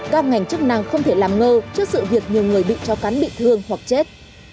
các ngành chức năng không thể làm ngơ trước sự việc nhiều người bị chó cắn bị thương hoặc chết